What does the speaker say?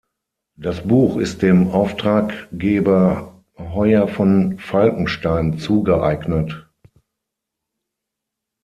Das Buch ist dem Auftraggeber Hoyer von Falkenstein zugeeignet.